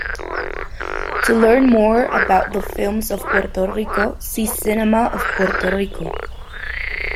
To learn more about the films of Puerto Rico, see Cinema of Puerto Rico.